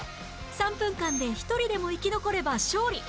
３分間で１人でも生き残れば勝利